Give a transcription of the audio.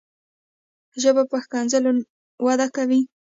ژبه په ښکنځلو نه وده کوي.